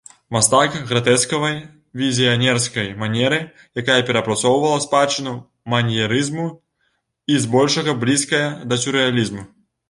Мастак гратэскавай візіянерскай манеры, якая перапрацоўвала спадчыну маньерызму і збольшага блізкая да сюррэалізму.